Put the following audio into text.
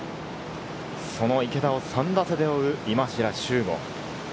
その池田を３打差で追う今平周吾。